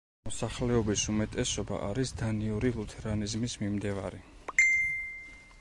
მოსახლეობის უმეტესობა არის დანიური ლუთერანიზმის მიმდევარი.